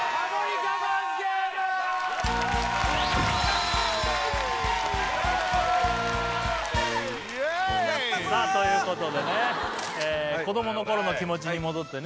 我慢ゲームイエーイということでね子供の頃の気持ちに戻ってね